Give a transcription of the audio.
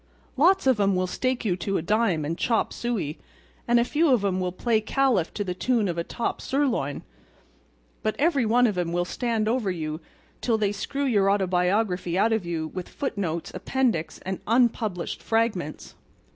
Lots of 'em will stake you to a dime and chop suey; and a few of 'em will play Caliph to the tune of a top sirloin; but every one of 'em will stand over you till they screw your autobiography out of you with foot notes, appendix and unpublished fragments.